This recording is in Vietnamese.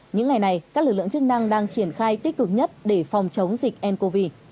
những ngày này các lực lượng chức năng đang triển khai tích cực nhất để phòng chống dịch ncov